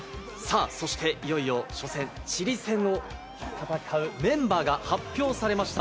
そして、いよいよ初戦チリ戦を戦うメンバーが発表されました。